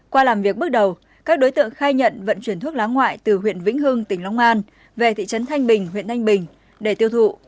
qua làm việc bước đầu các đối tượng khai nhận vận chuyển thuốc lá ngoại từ huyện vĩnh hưng tỉnh long an về thị trấn thanh bình huyện thanh bình để tiêu thụ